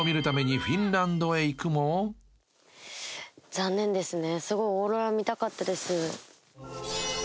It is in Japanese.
残念ですね。